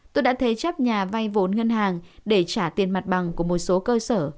tôi đã thế chấp nhà vay vốn ngân hàng để trả tiền mặt bằng của một số cơ sở